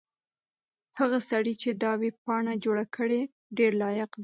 هغه سړی چې دا ویبپاڼه یې جوړه کړې ډېر لایق دی.